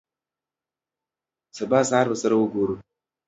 سبا سهار به سره ګورو.